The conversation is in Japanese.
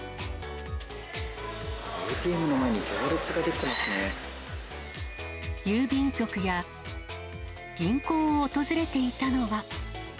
ＡＴＭの前に行列が出来てま郵便局や銀行を訪れていたのは。